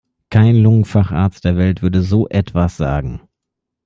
Kein Lungenfacharzt der Welt würde so etwas sagen.